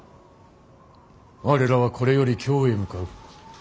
我らはこれより京へ向かう。